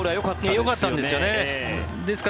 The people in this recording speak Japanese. よかったんですよね。